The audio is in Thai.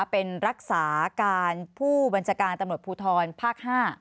เป็นรักษาการผู้บัญชาการตำรวจภูทรภาค๕